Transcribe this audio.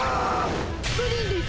プリンです。